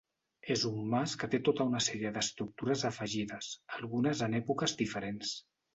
És un mas que té tota una sèrie d'estructures afegides, algunes en èpoques diferents.